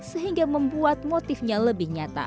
sehingga membuat motifnya lebih nyata